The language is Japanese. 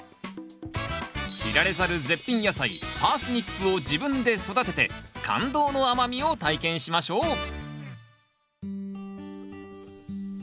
知られざる絶品野菜パースニップを自分で育てて感動の甘みを体験しましょう！